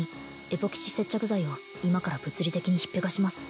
エポキシ接着剤を今から物理的にひっぺがします